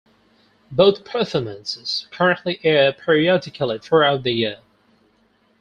Both performances currently air periodically throughout the year.